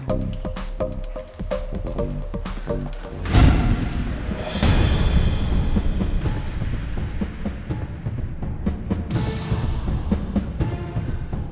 yuk atau ayo beba